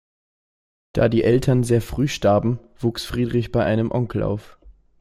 Da die Eltern sehr früh starben, wuchs Friedrich bei einem Onkel auf.